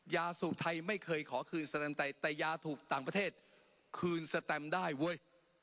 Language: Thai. สูบไทยไม่เคยขอคืนสแตมไตแต่ยาถูกต่างประเทศคืนสแตมได้เว้ย